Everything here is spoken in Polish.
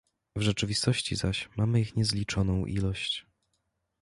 "W rzeczywistości zaś mamy ich niezliczoną ilość."